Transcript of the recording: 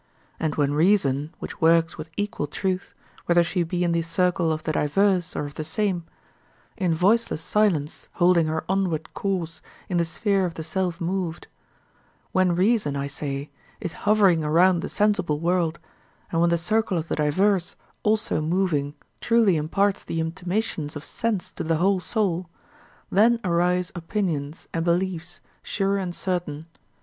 And when reason, which works with equal truth, whether she be in the circle of the diverse or of the same—in voiceless silence holding her onward course in the sphere of the self moved—when reason, I say, is hovering around the sensible world and when the circle of the diverse also moving truly imparts the intimations of sense to the whole soul, then arise opinions and beliefs sure and certain.